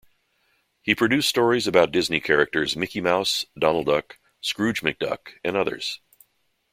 He produced stories about Disney characters Mickey Mouse, Donald Duck, Scrooge McDuck and others.